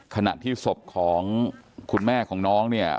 ขณะที่ศพของคุณแม่ของน้องเนี่ย